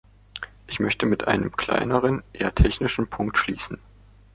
Ich möchte mit einem kleineren, eher technischen Punkt schließen.